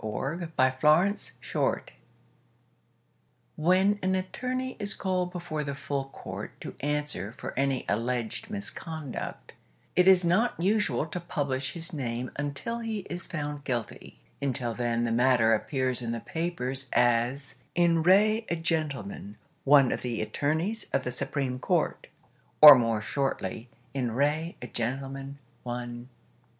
"In Re a Gentleman, One" When an attorney is called before the Full Court to answer for any alleged misconduct it is not usual to publish his name until he is found guilty; until then the matter appears in the papers as "In re a Gentleman, One of the Attorneys of the Supreme Court", or, more shortly, "In re a Gentleman, One".